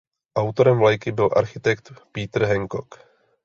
Autorem vlajky byl architekt Peter Hancock.